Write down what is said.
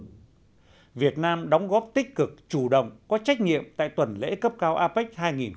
apec đã được chủ động có trách nhiệm tại tuần lễ cấp cao apec hai nghìn một mươi tám